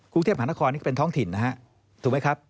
กรุงเทพหานครนี่ก็เป็นท้องถิ่นนะฮะถูกไหมครับ